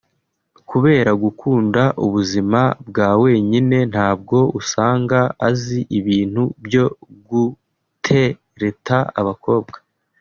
kubera gukunda ubuzima bwa wenyine ntabwo usanga azi ibintu byo gutereta abakobwa